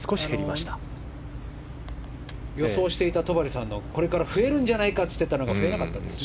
予想していた、戸張さんのこれから増えるんじゃないかって言ってたのが増えなかったんですね。